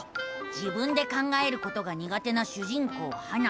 自分で考えることがにが手な主人公ハナ。